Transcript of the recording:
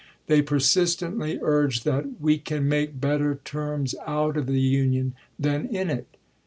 They persistently urged that " we can make better terms out of the Union than in it."